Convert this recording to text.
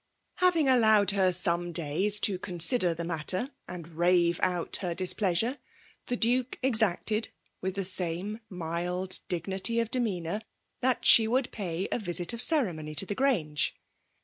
Having allowed her some days to consider the matter and rave out her displeasure^ the Duke exacted, with the same mild dignity of demeanour, that she would pay a visit of cere mony to the Grange.